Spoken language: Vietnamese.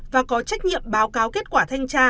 và có trách nhiệm báo cáo kết quả thanh tra